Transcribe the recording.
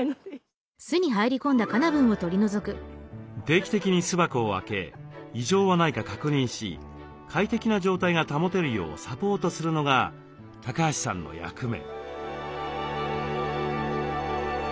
定期的に巣箱を開け異常はないか確認し快適な状態が保てるようサポートするのが橋さんの役目。